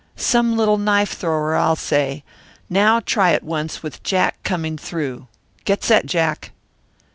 Some little knife thrower, I'll say. Now try it once with Jack coming through. Get set, Jack."